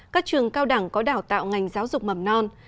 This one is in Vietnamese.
các trường cao đẳng có đào tạo ngành giáo dục mầm non